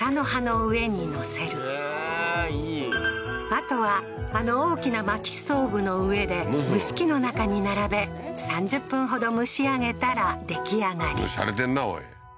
あとはあの大きな薪ストーブの上で蒸し器の中に並べ３０分ほど蒸し上げたら出来上がりシャレてんなおい